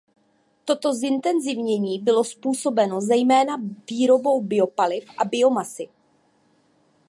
Toto zintenzivnění bylo způsobeno zejména výrobou biopaliv a biomasy.